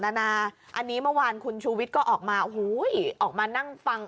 นานาอันนี้เมื่อวานคุณชูวิทย์ก็ออกมาโอ้โหออกมานั่งฟัง